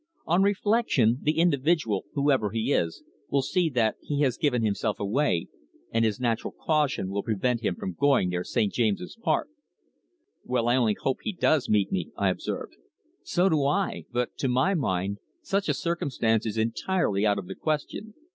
On reflection, the individual, whoever he is, will see that he has given himself away, and his natural caution will prevent him from going near St. James's Park." "Well, I only hope he does meet me," I observed. "So do I. But to my mind such a circumstance is entirely out of the question.